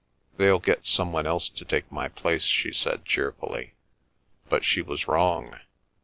"They'll get some one else to take my place," she said cheerfully. But she was wrong.